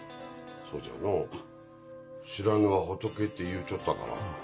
そうじゃのう「知らぬが仏」って言うちょったから。